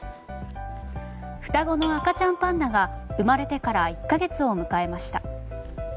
双子の赤ちゃんパンダが生まれてから１か月を迎えました。